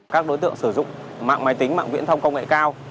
các đối tượng sử dụng mạng máy tính mạng viễn thông công nghệ cao